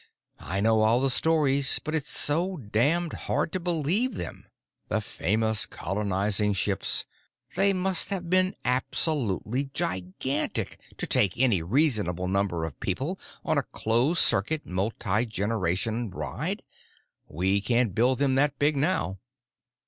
I know all the stories—but it's so damned hard to believe them. The famous colonizing ships. They must have been absolutely gigantic to take any reasonable number of people on a closed circuit, multigeneration ride. We can't build them that big now!"